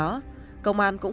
công an cũng không thu thập